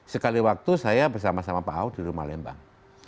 sekali waktu saya bersama sama pak ahok di rumah lembang